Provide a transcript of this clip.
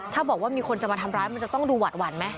ถ้าบอกว่ามีคนจะมาทำร้ายมันจะต้องดูหวาดหวั่นไหม